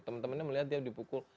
teman temannya melihat dia dipukul